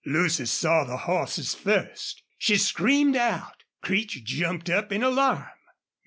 Lucy saw the horses first. She screamed out. Creech jumped up in alarm.